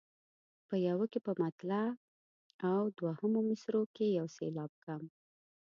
په یوه کې په مطلع او دوهمو مصرعو کې یو سېلاب کم.